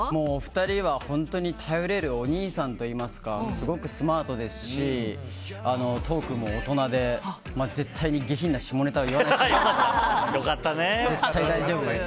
２人は本当に頼れるお兄さんといいますかすごくスマートですしトークも大人で絶対に下品な下ネタは言わない方ですので。